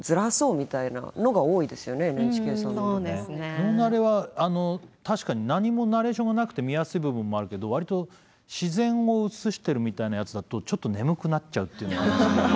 「ノーナレ」は確かに何もナレーションがなくて見やすい部分もあるけど割と自然を映してるみたいなやつだとちょっと眠くなっちゃうっていうのがありますね。